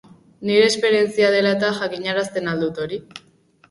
Nire esperientzia dela eta jakinarazten al dut hori?